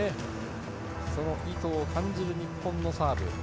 その意図を感じる日本のサーブ。